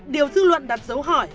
điều dư luận đặt dấu hỏi